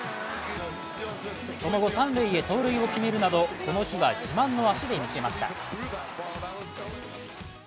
その後、三塁へ盗塁を決めるなど、この日は自慢の足で見せました。